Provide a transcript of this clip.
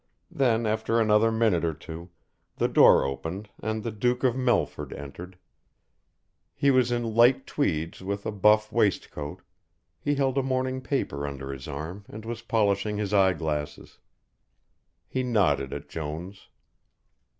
Then after another minute or two the door opened and the Duke of Melford entered. He was in light tweeds with a buff waistcoat, he held a morning paper under his arm and was polishing his eye glasses. He nodded at Jones.